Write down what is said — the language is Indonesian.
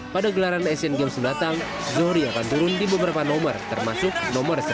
pada gelaran asian games mendatang zohri akan turun di beberapa nomor termasuk nomor satu